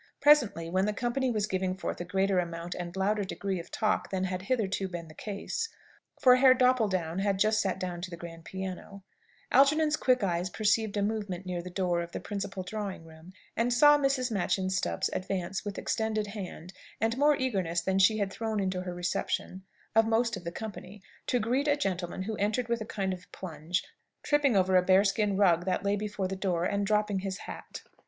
Presently, when the company was giving forth a greater amount and louder degree of talk than had hitherto been the case for Herr Doppeldaun had just sat down to the grand piano Algernon's quick eyes perceived a movement near the door of the principal drawing room, and saw Mrs. Machyn Stubbs advance with extended hand, and more eagerness than she had thrown into her reception of most of the company, to greet a gentleman who entered with a kind of plunge, tripping over a bearskin rug that lay before the door, and dropping his hat.